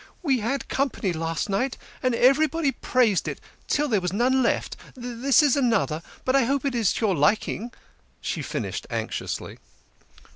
" We had company last night, and everybody praised it till none was left. This is another, but I hope it is to your liking," she finished anxiously.